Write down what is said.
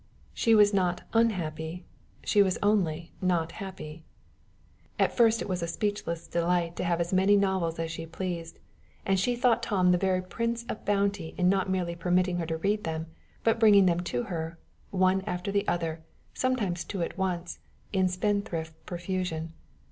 She was not unhappy, she was only not happy. At first it was a speechless delight to have as many novels as she pleased, and she thought Tom the very prince of bounty in not merely permitting her to read them, but bringing them to her, one after the other, sometimes two at once, in spendthrift profusion.